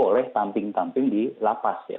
oleh tamping tamping di lapas ya